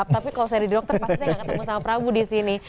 tapi kalau saya jadi dokter pasti saya gak ketemu sama prabu disini